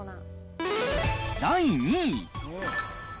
第２位。